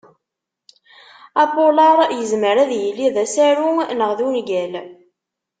Apulaṛ yezmer ad yili d asaru neɣ d ungal.